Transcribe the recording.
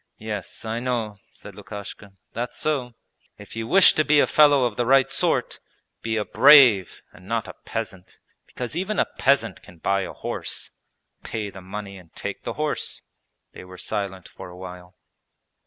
'Yes, I know,' said Lukashka; 'that's so!' 'If you wish to be a fellow of the right sort, be a brave and not a peasant! Because even a peasant can buy a horse pay the money and take the horse.' They were silent for a while.